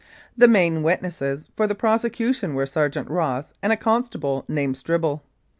The main witnesses for the prosecution were Sergeant Ross and a constable named Stribble.